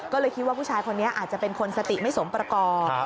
ก็เลยคิดว่าผู้ชายคนนี้อาจจะเป็นคนสติไม่สมประกอบ